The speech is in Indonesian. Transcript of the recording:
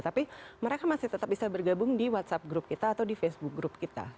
tapi mereka masih tetap bisa bergabung di whatsapp group kita atau di facebook group kita